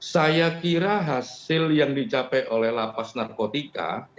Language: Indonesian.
saya kira hasil yang dicapai oleh lapas narkotika